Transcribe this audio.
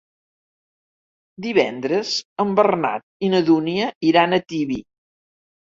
Divendres en Bernat i na Dúnia iran a Tibi.